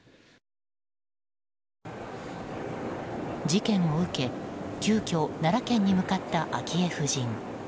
事件を受け、急きょ奈良県に向かった昭恵夫人。